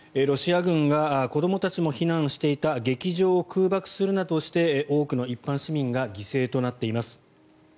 ロシア軍が子どもたちも避難していた劇場を空爆するなどして多くの一般市民が犠牲となっています。